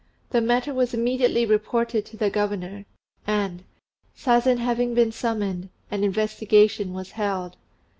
The matter was immediately reported to the governor, and, Sazen having been summoned, an investigation was held.